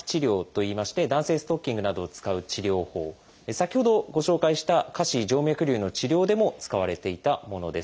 先ほどご紹介した下肢静脈りゅうの治療でも使われていたものです。